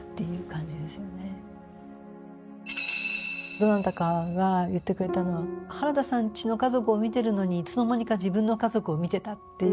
どなたかが言ってくれたのは原田さんちの家族を見てるのにいつの間にか自分の家族を見てたっていう。